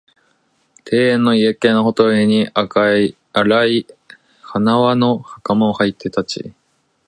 庭園の池のほとりに、荒い縞の袴をはいて立ち、